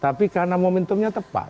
tapi karena momentumnya tepat